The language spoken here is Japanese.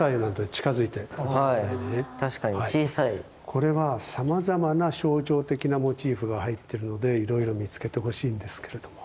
これはさまざまな象徴的なモチーフが入ってるのでいろいろ見つけてほしいんですけれども。